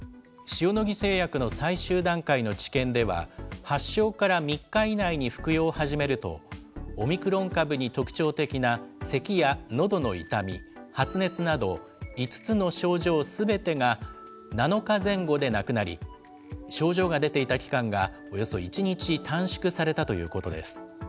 塩野義製薬の最終段階の治験では、発症から３日以内に服用を始めると、オミクロン株に特徴的なせきやのどの痛み、発熱など５つの症状すべてが７日前後でなくなり、症状が出ていた期間がおよそ１日短縮されたということです。